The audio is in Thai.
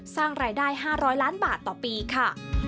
สร้างรายได้๕๐๐ล้านบาทต่อปีค่ะ